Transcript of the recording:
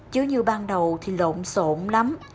chứ như ban đầu thì lộn xộn lắm